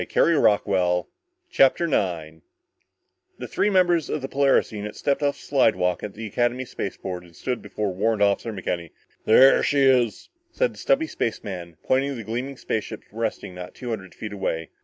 CHAPTER 9 The three members of the Polaris unit stepped off the slidewalk at the Academy spaceport and stood before Warrant Officer McKenny. "There she is," said the stubby spaceman, pointing to the gleaming spaceship resting not two hundred feet away.